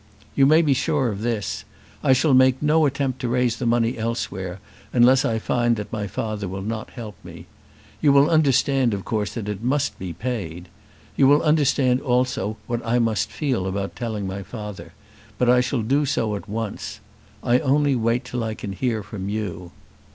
You may be sure of this, I shall make no attempt to raise the money elsewhere, unless I find that my father will not help me. You will understand that of course it must be paid. You will understand also what I must feel about telling my father, but I shall do so at once. I only wait till I can hear from you.